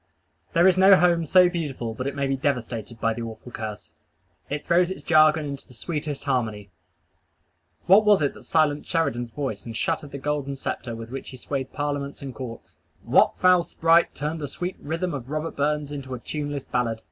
There is no home so beautiful but it may be devastated by the awful curse. It throws its jargon into the sweetest harmony. What was it that silenced Sheridan's voice and shattered the golden sceptre with which he swayed parliaments and courts? What foul sprite turned the sweet rhythm of Robert Burns into a tuneless ballad?